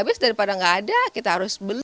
habis daripada nggak ada kita harus beli